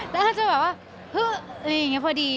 แล้วถ้าจะแบบว่าเฮ้ยอะไรอย่างนี้พอดี